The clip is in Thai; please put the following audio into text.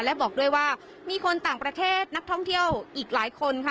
และบอกด้วยว่ามีคนต่างประเทศนักท่องเที่ยวอีกหลายคนค่ะ